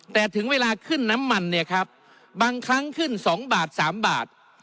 แต่ถึงเวลาขึ้นน้ำมันเนี่ยครับบางครั้งขึ้น๒บาท๓บาท